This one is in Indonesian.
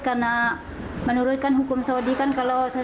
karena menurut hukum saudi kalau seseorang yang berpengalaman